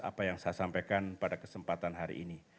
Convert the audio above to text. apa yang saya sampaikan pada kesempatan hari ini